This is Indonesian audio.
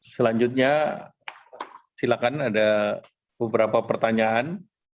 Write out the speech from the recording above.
selanjutnya silakan ada beberapa pertanyaan